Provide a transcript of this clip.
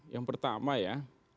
yang pertama ya